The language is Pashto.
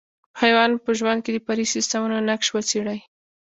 په حیوان په ژوند کې د فرعي سیسټمونو نقش وڅېړئ.